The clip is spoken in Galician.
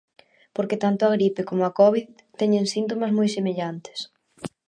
Porque tanto a gripe coma a covid teñen síntomas moi semellantes.